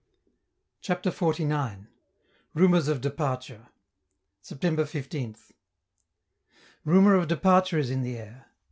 CHAPTER XLIX. RUMORS OF DEPARTURE September 15th. Rumor of departure is in the air.